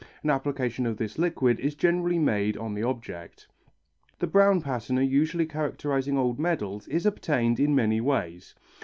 An application of this liquid is generally made on the object. The brown patina usually characterizing old medals is obtained in many ways.